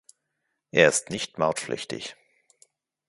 Er ist nicht mautpflichtig.